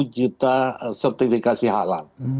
sepuluh juta sertifikasi halal